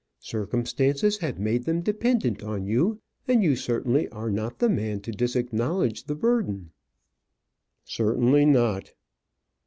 Circumstances have made them dependent on you, and you certainly are not the man to disacknowledge the burden." "Certainly not."